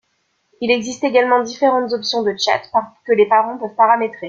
Il existe également différentes options de tchats que les parents peuvent paramétrer.